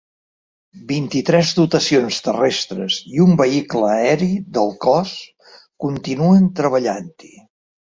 Vint-i-tres dotacions terrestres i un vehicle aeri del cos continuen treballant-hi.